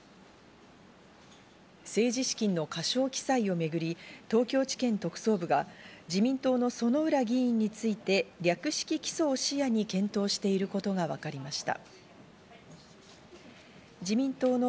政治資金の過少記載をめぐり、東京地検特捜部が自民党の薗浦議員について、略式起訴を視野に検討していることがわかりました。